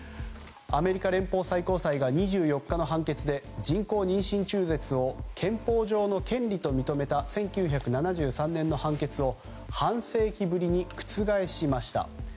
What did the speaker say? アメリカ連邦最高裁が２４日の判決で人工妊娠中絶を憲法上の権利と認めた１９７３年の判決を半世紀ぶりに覆しました。